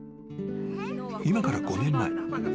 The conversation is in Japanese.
［今から５年前］